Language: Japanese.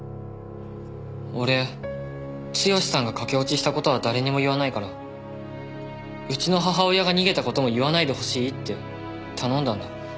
俺「剛史さんが駆け落ちした事は誰にも言わないからうちの母親が逃げた事も言わないでほしい」って頼んだんだ。